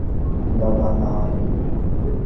দাদা নাই?